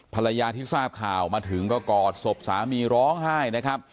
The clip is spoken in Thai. ภรรยาที่ทราบข่าวมาถึงก็กอดศพสามีร้องไห้นะครับ